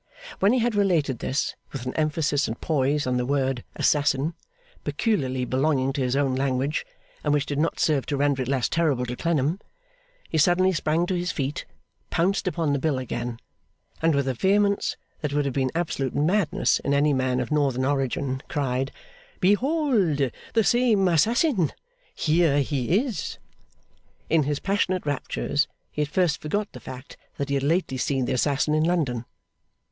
When he had related this, with an emphasis and poise on the word, 'assassin,' peculiarly belonging to his own language, and which did not serve to render it less terrible to Clennam, he suddenly sprang to his feet, pounced upon the bill again, and with a vehemence that would have been absolute madness in any man of Northern origin, cried 'Behold the same assassin! Here he is!' In his passionate raptures, he at first forgot the fact that he had lately seen the assassin in London.